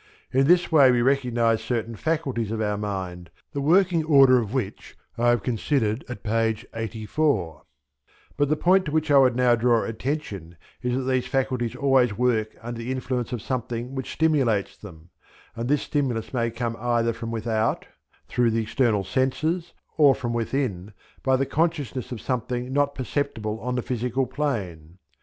In this way we recognize certain faculties of our mind, the working order of which I have considered at page 84; but the point to which I would now draw attention is that these faculties always work under the influence of something which stimulates them, and this stimulus may come either from without through the external senses, or from within by the consciousness of something not perceptible on the physical plane.